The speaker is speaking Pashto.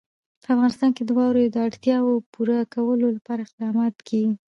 په افغانستان کې د واوره د اړتیاوو پوره کولو لپاره اقدامات کېږي.